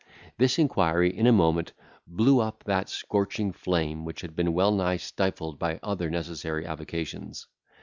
This inquiry in a moment blew up that scorching flame which had been well nigh stifled by other necessary avocations.